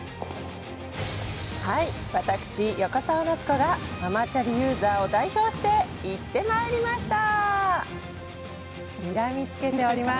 はい、私、横澤夏子がママチャリユーザーを代表して行ってまいりました。